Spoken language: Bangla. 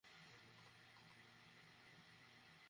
তবে মানব পাচারের বিষয়টি সামনে আসায় তদারকি আরও জোরদার করা হয়েছে।